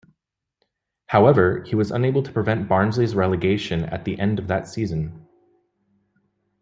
However, he was unable to prevent Barnsley's relegation at the end of that season.